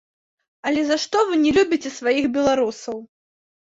Але за што вы не любіце сваіх беларусаў?!